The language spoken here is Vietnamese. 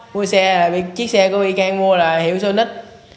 mua xe là chiếc xe của vy cang mua là hiệu số nít